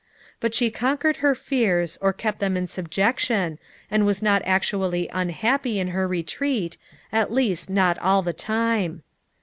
But she con* quered her fears, or kept them in subjection and was not actually unhappy in her retreat, at least not all the time.